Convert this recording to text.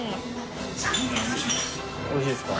おいしいですか？